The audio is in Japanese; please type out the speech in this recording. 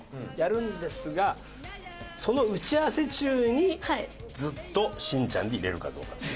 やるんですがその打ち合わせ中にずっとしんちゃんでいれるかどうか。